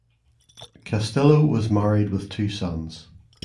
Castillo was married with two sons.